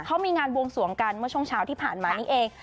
เขามีงานบวงสวงกันเมื่อช่วงเช้าที่ผ่านมานี้เอง